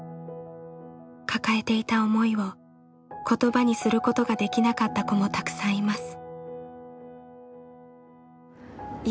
抱えていた思いを言葉にすることができなかった子もたくさんいます。